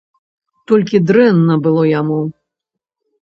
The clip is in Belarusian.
Толькі дрэнна было яму.